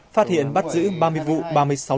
phát hiện bắt giữ ba mươi vụ